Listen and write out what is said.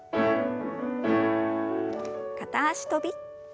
片脚跳び。